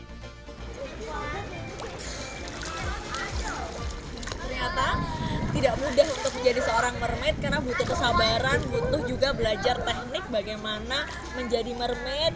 ternyata tidak mudah untuk menjadi seorang mermaid karena butuh kesabaran butuh juga belajar teknik bagaimana menjadi mermaid